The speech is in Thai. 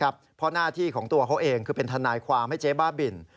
เพราะหน้าที่ของตัวเขาเองคือเป็นทนายความให้เจ๊บ้าบิน